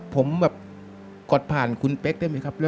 ผมแบบกดผ่านคุณเป๊กได้ไหมครับ